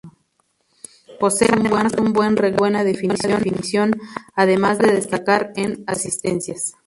Posee además un buen regate y buena definición, además de destacar en asistencias.